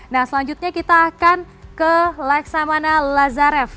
nah selanjutnya kita akan ke laksamana lazarev